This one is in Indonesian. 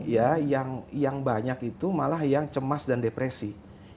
ya yang banyak itu malah yang cemas dan depresi